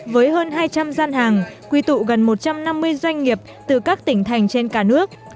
với hơn hai trăm linh gian hàng quy tụ gần một trăm năm mươi doanh nghiệp từ các tỉnh thành trên cả nước